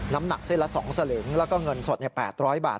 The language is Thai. น้ำหนักเส้นละ๒สลึงแล้วก็เงินสด๘๐๐บาท